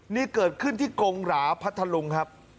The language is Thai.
นี่เกิดขึ้นที่กงหราพัทธลุงครับ